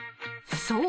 ［そう。